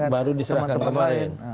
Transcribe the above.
baru diserahkan kemarin